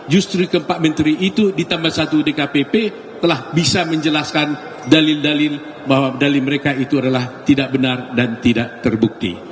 justru keempat menteri itu ditambah satu dkpp telah bisa menjelaskan dalil dalil bahwa dali mereka itu adalah tidak benar dan tidak terbukti